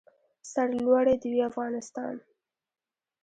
سر لوړی د وي افغانستان.